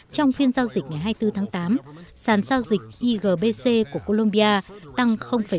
trong phiên giao dịch ngày hai mươi bốn tháng tám sản giao dịch igbc của colombia tăng bảy